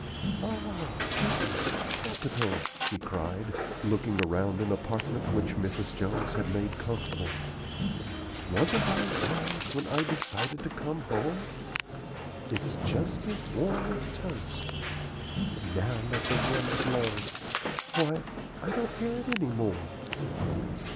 "Ah, this is capital," she cried, looking around an apartment which Mrs. Jones had made comfortable. "Wasn't I wise when I decided to come home? It's just as warm as toast. Now let the wind blow Why, I don't hear it any more."